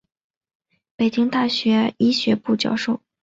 北京大学医学部教授。